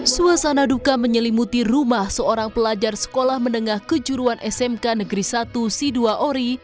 suasana duka menyelimuti rumah seorang pelajar sekolah menengah kejuruan smk negeri satu si dua ori